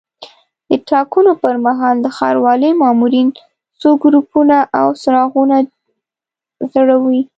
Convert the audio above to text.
د ټاکنو پر مهال د ښاروالۍ مامورین څو ګروپونه او څراغونه ځړوي.